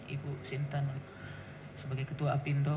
ibu sintan sebagai ketua apindo